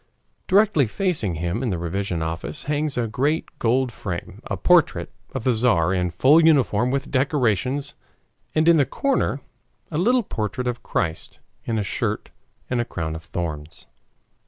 Directly facing him in the revision office hangs in a great gold frame a portrait of the Tzar in full uniform with decorations, and in the corner a little portrait of Christ in a shirt and a crown of thorns.